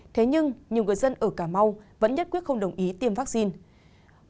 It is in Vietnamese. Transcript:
thế nhưng nhiều người dân ở cà mau vẫn nhất quyết không đồng ý tiêm vaccine